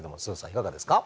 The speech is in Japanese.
いかがですか？